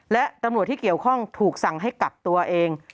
และตำรวจที่เกี่ยวข้องถูกสั่งให้กักตัวเอง